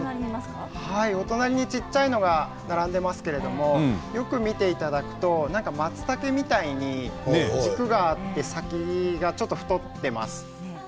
隣に小さいものが並んでいますけれど、よく見ていただくとまつたけみたいに軸があって先が太っていますよね。